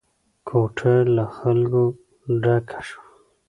کوټه له خلکو ډکه شوه.